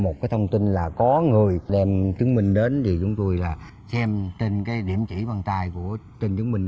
một cái thông tin là có người đem chứng minh đến thì chúng tôi là xem trên cái điểm chỉ văn tai của trên chứng minh